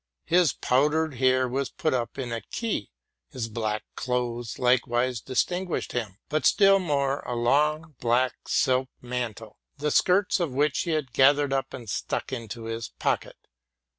His powdered hair was put up in a cue, his black 'clothes likewise distinguished him, but still more a long black silk mantle, the skirts of which he had gathered up and stuck into his pocket.